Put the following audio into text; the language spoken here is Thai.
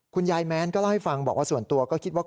แม้นก็เล่าให้ฟังบอกว่าส่วนตัวก็คิดว่า